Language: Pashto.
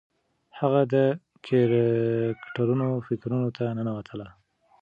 هغې د کرکټرونو فکرونو ته ننوتله.